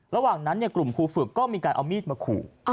ระหว่างนั้นกลุ่มครูฝึกก็มีการเอามีดมาขู่